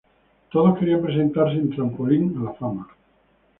Todos querían presentarse en Trampolín a la Fama.